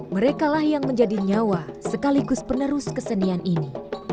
mereka lah yang menjadi nyawa sekaligus penerus kesenian ini